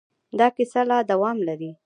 دا کیسه لا دوام لري.